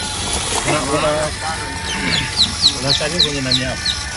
mtangulizi wake Vladimir Putin akawa waziri mkuu Kulingana na